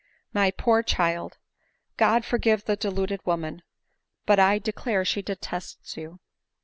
My poor child ! (rod forgive the deluded woman ! But I declare she detests you